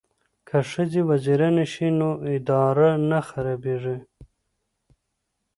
که ښځې وزیرانې شي نو اداره نه خرابیږي.